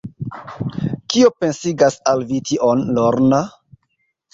Kio pensigas al vi tion, Lorna?